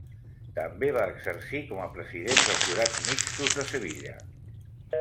També va exercir com a president dels Jurats Mixtos de Sevilla.